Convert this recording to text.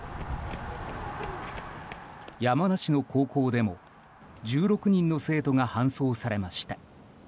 山梨の高校でも１６人の生徒が搬送されました。